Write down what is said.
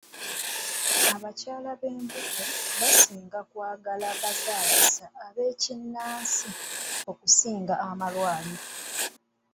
Abakyala b'embuto basinga kwagala abazaalisa ab'ekinnansi okusinga amalwaliro.